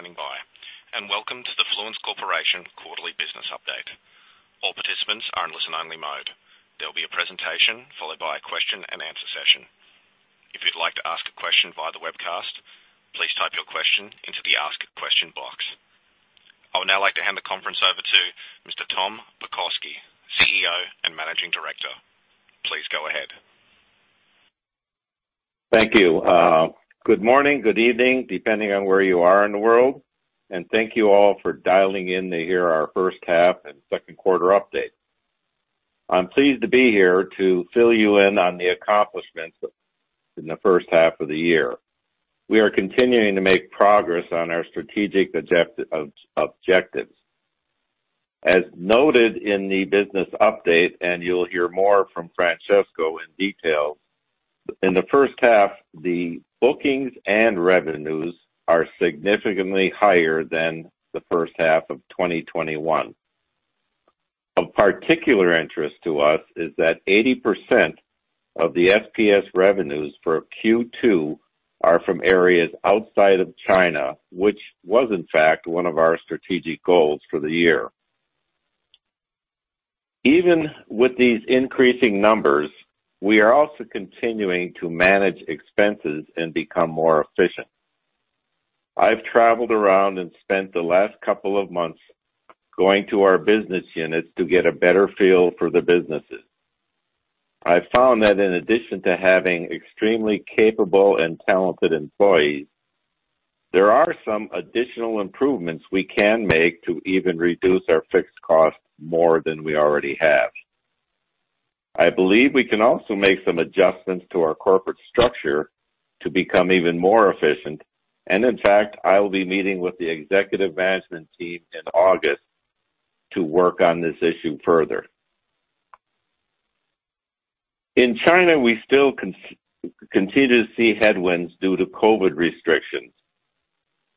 Thank you all for standing by, and welcome to the Fluence Corporation quarterly business update. All participants are in listen only mode. There will be a presentation followed by a question and answer session. If you'd like to ask a question via the webcast, please type your question into the Ask a Question box. I would now like to hand the conference over to Mr. Tom Pokorsky, CEO and Managing Director. Please go ahead. Thank you. Good morning, good evening, depending on where you are in the world. Thank you all for dialing in to hear our first half and second quarter update. I'm pleased to be here to fill you in on the accomplishments in the first half of the year. We are continuing to make progress on our strategic objectives. As noted in the business update, you'll hear more from Francesco in detail. In the first half, the bookings and revenues are significantly higher than the first half of 2021. Of particular interest to us is that 80% of the SPS revenues for Q2 are from areas outside of China, which was in fact one of our strategic goals for the year. Even with these increasing numbers, we are also continuing to manage expenses and become more efficient. I've traveled around and spent the last couple of months going to our business units to get a better feel for the businesses. I found that in addition to having extremely capable and talented employees, there are some additional improvements we can make to even reduce our fixed costs more than we already have. I believe we can also make some adjustments to our corporate structure to become even more efficient, and in fact, I will be meeting with the executive management team in August to work on this issue further. In China, we still continue to see headwinds due to COVID restrictions,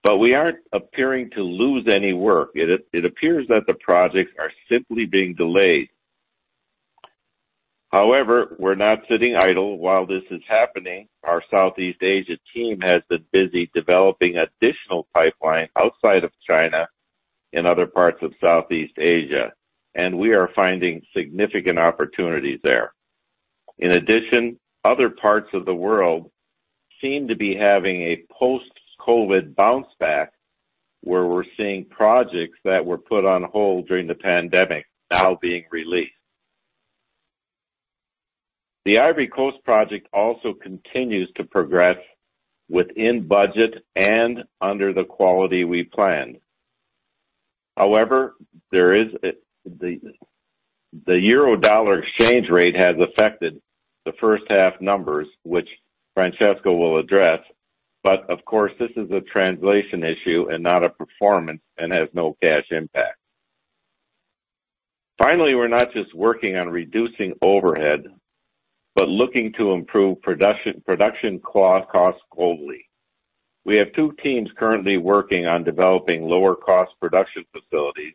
but we aren't appearing to lose any work. It appears that the projects are simply being delayed. However, we're not sitting idle. While this is happening, our Southeast Asia team has been busy developing additional pipeline outside of China in other parts of Southeast Asia, and we are finding significant opportunities there. In addition, other parts of the world seem to be having a post-COVID bounce back, where we're seeing projects that were put on hold during the pandemic now being released. The Ivory Coast project also continues to progress within budget and under the quality we planned. However, the euro-dollar exchange rate has affected the first half numbers, which Francesco will address. Of course, this is a translation issue and not a performance, and has no cash impact. Finally, we're not just working on reducing overhead, but looking to improve production costs globally. We have two teams currently working on developing lower cost production facilities,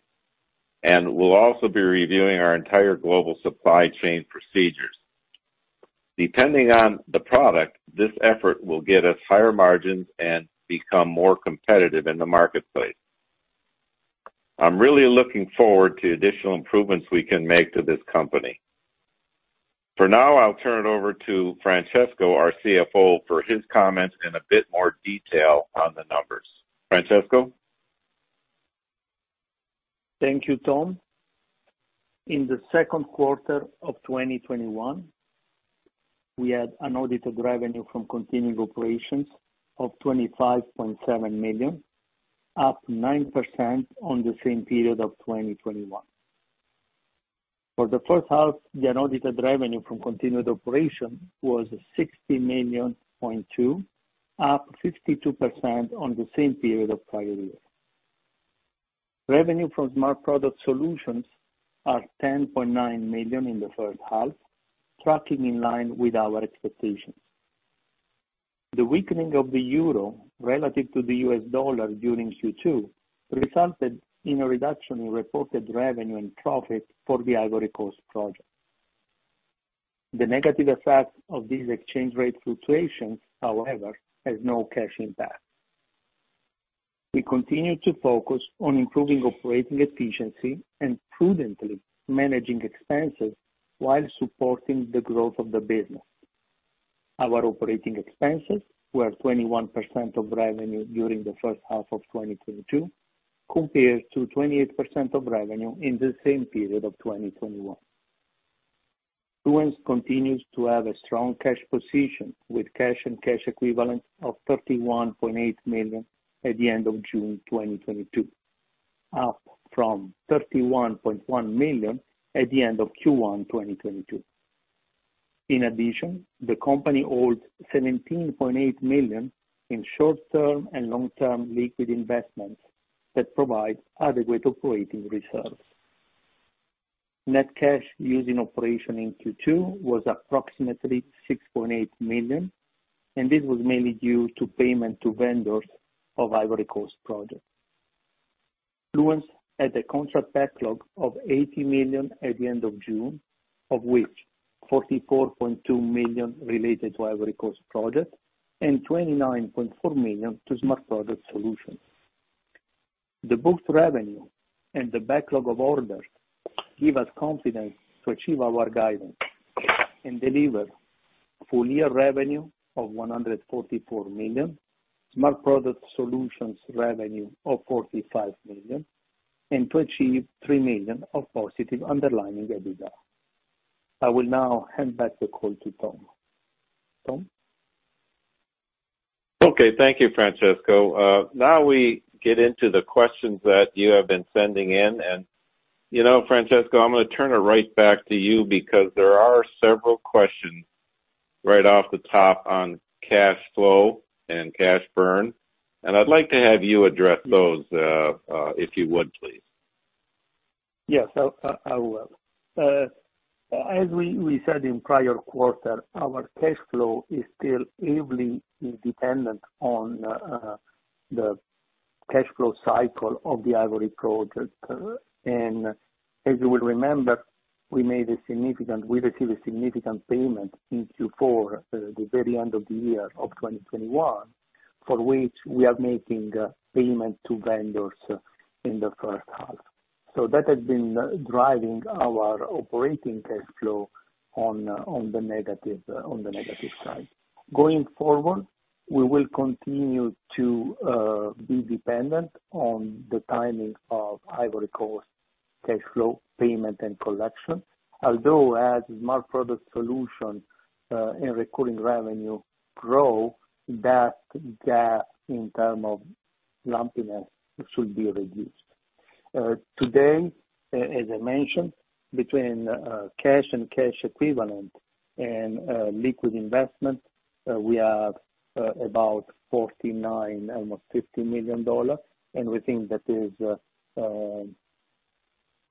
and we'll also be reviewing our entire global supply chain procedures. Depending on the product, this effort will get us higher margins and become more competitive in the marketplace. I'm really looking forward to additional improvements we can make to this company. For now, I'll turn it over to Francesco, our CFO, for his comments and a bit more detail on the numbers. Francesco. Thank you, Tom. In the second quarter of 2021, we had unaudited revenue from continuing operations of $25.7 million, up 9% on the same period of 2021. For the first half, the unaudited revenue from continuing operations was $60.2 million, up 52% on the same period of prior year. Revenue from Smart Products Solutions is $10.9 million in the first half, tracking in line with our expectations. The weakening of the euro relative to the U.S. dollar during Q2 resulted in a reduction in reported revenue and profit for the Ivory Coast project. The negative effect of this exchange rate fluctuation, however, has no cash impact. We continue to focus on improving operating efficiency and prudently managing expenses while supporting the growth of the business. Our operating expenses were 21% of revenue during the first half of 2022, compared to 28% of revenue in the same period of 2021. Fluence continues to have a strong cash position with cash and cash equivalents of $31.8 million at the end of June 2022, up from $31.1 million at the end of Q1 2022. In addition, the company holds $17.8 million in short-term and long-term liquid investments that provide adequate operating reserves. Net cash used in operations in Q2 was approximately $6.8 million, and this was mainly due to payments to vendors for Ivory Coast projects. Fluence had a contract backlog of $80 million at the end of June, of which $44.2 million related to Ivory Coast project and $29.4 million to Smart Products Solutions. The booked revenue and the backlog of orders give us confidence to achieve our guidance and deliver full year revenue of $144 million, Smart Products Solutions revenue of $45 million, and to achieve $3 million of positive underlying EBITDA. I will now hand back the call to Tom. Tom? Okay. Thank you, Francesco. Now we get into the questions that you have been sending in. You know, Francesco, I'm gonna turn it right back to you because there are several questions right off the top on cash flow and cash burn. I'd like to have you address those, if you would, please. Yes. I will. As we said in prior quarter, our cash flow is still heavily dependent on the cash flow cycle of the Ivory project. As you will remember, we received a significant payment in Q4, the very end of the year of 2021, for which we are making payment to vendors in the first half. That has been driving our operating cash flow on the negative side. Going forward, we will continue to be dependent on the timing of Ivory Coast cash flow payment and collection. Although as Smart Products Solutions and recurring revenue grow, that gap in terms of lumpiness should be reduced. Today, as I mentioned, between cash and cash equivalent and liquid investment, we have about $49 million, almost $50 million, and we think that is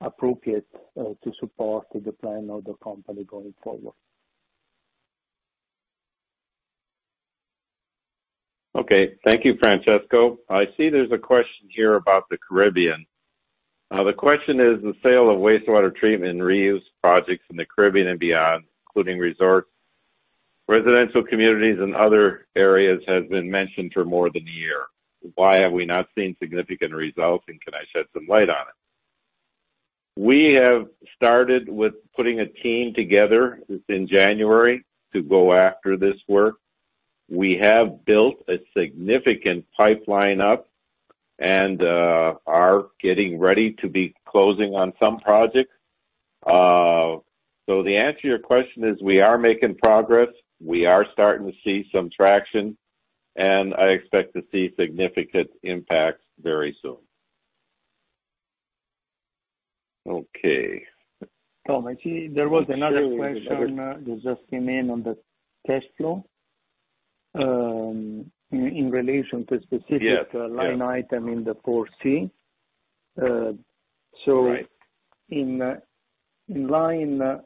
appropriate to support the plan of the company going forward. Okay. Thank you, Francesco. I see there's a question here about the Caribbean. The question is the sale of wastewater treatment and reuse projects in the Caribbean and beyond, including resorts, residential communities and other areas, has been mentioned for more than a year. Why have we not seen significant results, and can I shed some light on it? We have started with putting a team together since January to go after this work. We have built up a significant pipeline and are getting ready to be closing on some projects. So the answer to your question is we are making progress. We are starting to see some traction, and I expect to see significant impacts very soon. Okay. Tom, actually, there was another question that just came in on the cash flow, in relation to a specific. Yeah. line item in the Appendix 4C. Right. In line 22B,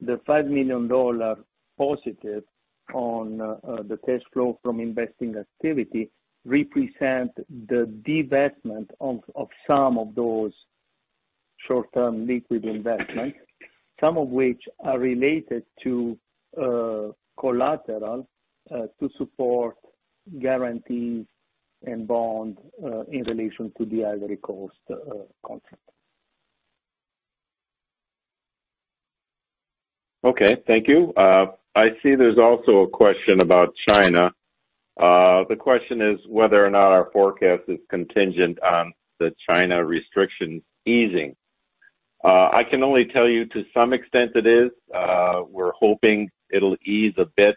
the $5 million positive on the cash flow from investing activity represent the divestment of some of those short-term liquid investments, some of which are related to collateral to support guarantees and bonds in relation to the Ivory Coast contract. Okay. Thank you. I see there's also a question about China. The question is whether or not our forecast is contingent on the China restrictions easing. I can only tell you to some extent it is. We're hoping it'll ease a bit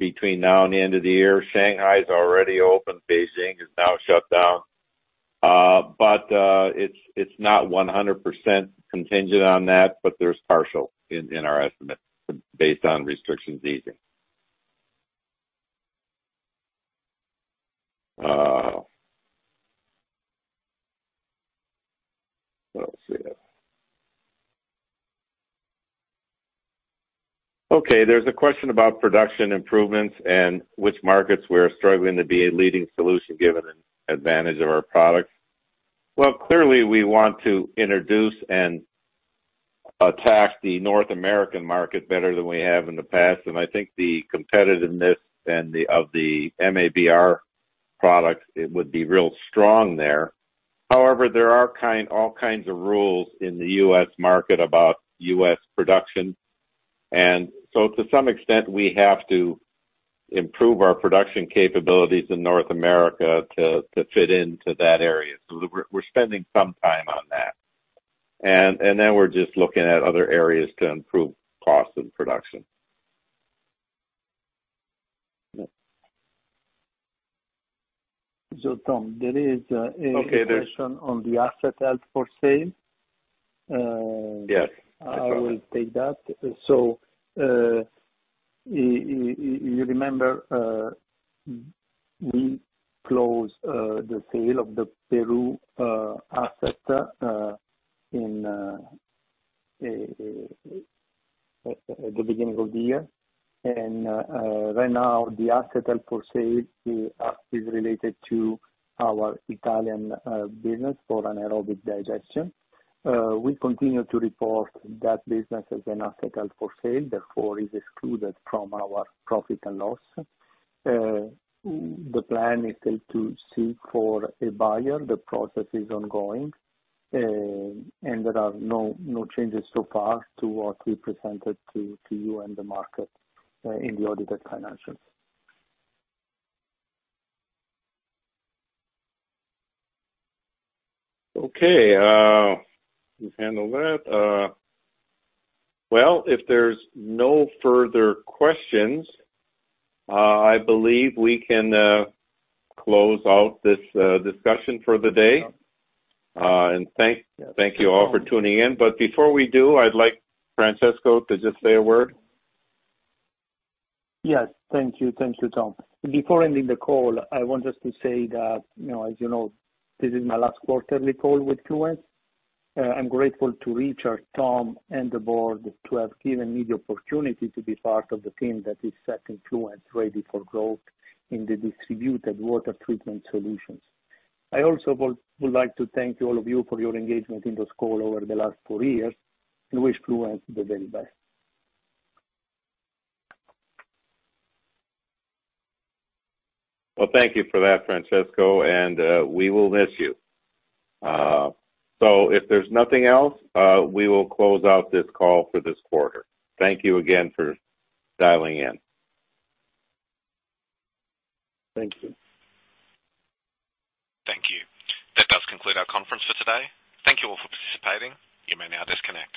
between now and the end of the year. Shanghai's already open. Beijing is now shut down. It's not 100% contingent on that, but there's partial in our estimate based on restrictions easing. Let's see. Okay, there's a question about production improvements and which markets we're struggling to be a leading solution given an advantage of our products. Well, clearly we want to introduce and attack the North American market better than we have in the past. I think the competitiveness of the MABR products would be real strong there. However, there are all kinds of rules in the U.S. market about U.S. production. To some extent, we have to improve our production capabilities in North America to fit into that area. We're spending some time on that. We're just looking at other areas to improve cost and production. Tom, there is a question on the asset held for sale. Yes. I will take that. You remember, we closed the sale of the Peru asset in June at the beginning of the year. Right now, the asset up for sale is related to our Italian business for anaerobic digestion. We continue to report that business as an asset held for sale, therefore is excluded from our profit and loss. The plan is still to seek for a buyer. The process is ongoing, and there are no changes so far to what we presented to you and the market in the audited financials. Okay. We've handled that. Well, if there's no further questions, I believe we can close out this discussion for the day. Thank you all for tuning in. Before we do, I'd like Francesco to just say a word. Yes. Thank you. Thank you, Tom. Before ending the call, I want just to say that, you know, as you know, this is my last quarterly call with Fluence. I'm grateful to Richard, Tom, and the board to have given me the opportunity to be part of the team that is setting Fluence ready for growth in the distributed water treatment solutions. I also would like to thank you, all of you, for your engagement in this call over the last four years and wish Fluence the very best. Well, thank you for that, Francesco, and we will miss you. If there's nothing else, we will close out this call for this quarter. Thank you again for dialing in. Thank you. Thank you. That does conclude our conference for today. Thank you all for participating. You may now disconnect.